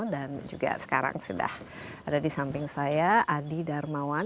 dan juga sekarang sudah ada di samping saya adi darmawan